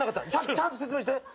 ちゃんと説明して。